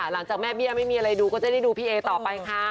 หลังจากแม่เบี้ยไม่มีอะไรดูก็จะได้ดูพี่เอต่อไปค่ะ